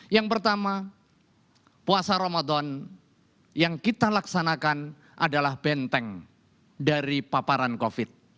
yang pertama puasa ramadan yang kita laksanakan adalah benteng dari paparan covid